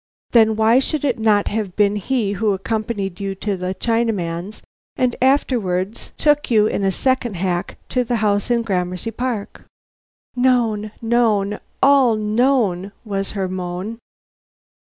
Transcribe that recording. "Then why should it not have been he who accompanied you to the Chinaman's, and afterwards took you in a second hack to the house in Gramercy Park?" "Known, known, all known!" was her moan.